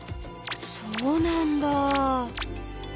そうなんだぁ。